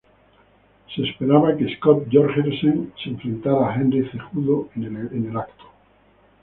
Se esperaba que Scott Jorgensen se enfrentara a Henry Cejudo en el evento.